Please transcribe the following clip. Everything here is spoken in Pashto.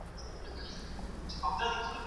ایا ستا په کور کې کمپیوټر شته؟